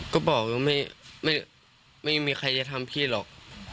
ก็บอกว่าไม่มีใครจะทำพี่หรอก